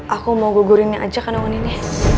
aku mau gugurinnya aja kan oh nini